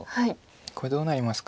これどうなりますか。